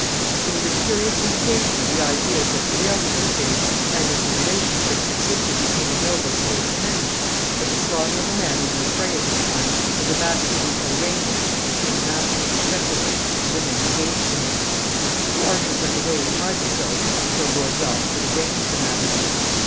It is a curious indication of the ideas that prevailed in those days, and of the relations that subsisted between the nobles and their dependants, that the slaughter of a man in an affray of this kind was a matter to be arranged between the masters respectively of the men engaged in it. The archers went away to hide themselves until Lord Ralph could arrange the matter.